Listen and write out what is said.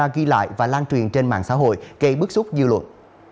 ghi lại và lan truyền trên mạng xã hội gây bức xúc dư luận